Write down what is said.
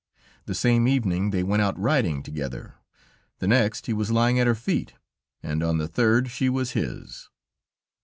The same evening they went out riding together, the next he was lying at her feet, and on the third she was his.